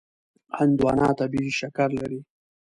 هندوانه طبیعي شکر لري.